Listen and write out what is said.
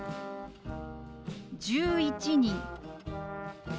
「１１人」。